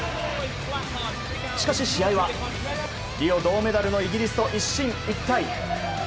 しかし試合は、リオ銅メダルのイギリスと一進一退。